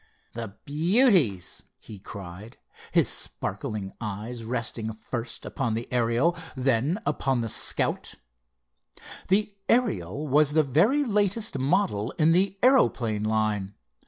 "The beauties!" he cried, his sparkling eyes resting first upon the Ariel and then upon the Scout. The Ariel was the very latest model in the aeroplane line.